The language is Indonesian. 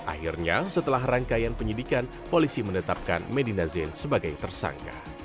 akhirnya setelah rangkaian penyidikan polisi menetapkan medina zen sebagai tersangka